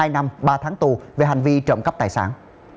hai năm ba tháng tù về hành vi trộm cắp tài sản